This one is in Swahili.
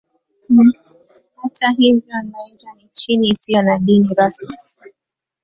Hata hivyo Niger ni nchi isiyo na dini rasmi.